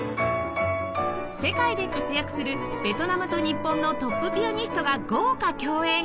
世界で活躍するベトナムと日本のトップピアニストが豪華共演